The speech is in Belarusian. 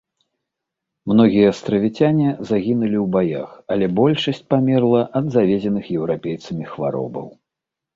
Многія астравіцяне загінулі ў баях, але большасць памерла ад завезеных еўрапейцамі хваробаў.